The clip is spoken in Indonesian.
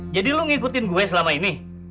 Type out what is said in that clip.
jadi lo ngikutin gue selama ini